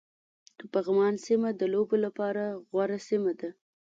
د پغمان سيمه د لوبو لپاره غوره سيمه ده